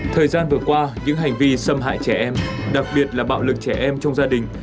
thời gian vừa qua những hành vi xâm hại trẻ em đặc biệt là bạo lực trẻ em trong gia đình